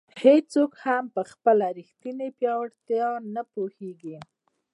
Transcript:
هیڅوک هم په خپله ریښتیني پیاوړتیا نه پوهېږي.